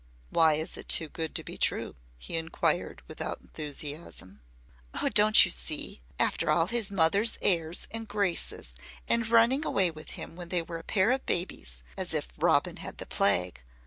"Why is it too good to be true?" he inquired without enthusiasm. "Oh, don't you see? After all his mother's airs and graces and running away with him when they were a pair of babies as if Robin had the plague.